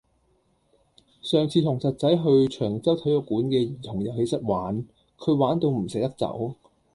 上次同侄仔去長洲體育館嘅兒童遊戲室玩，佢玩到唔捨得走。